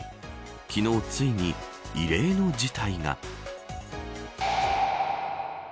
昨日、ついに異例の事態が。